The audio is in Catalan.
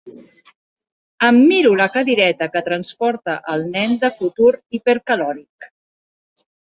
Em miro la cadireta que transporta el nen de futur hipercalòric.